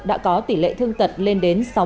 đã có tỷ lệ thương tật lên đến sáu mươi